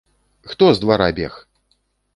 Хто з двара бег?